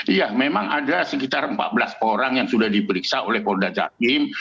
iya memang ada sekitar empat belas orang yang sudah diperiksa oleh polda jatim